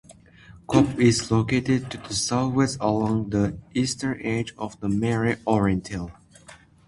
Kopff is located to the southwest along the eastern edge of the Mare Orientale.